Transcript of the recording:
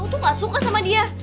aku tuh gak suka sama dia